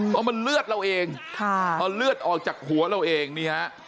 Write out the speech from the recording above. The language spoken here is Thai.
เพราะมันเลือดเราเองพอเลือดออกจากหัวเราเองนี่ฮะ